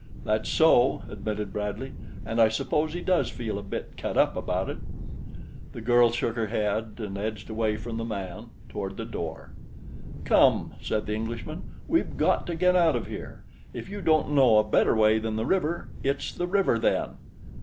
"That's so," admitted Bradley, "and I suppose he does feel a bit cut up about it." The girl shook her head and edged away from the man toward the door. "Come!" said the Englishman. "We've got to get out of here. If you don't know a better way than the river, it's the river then."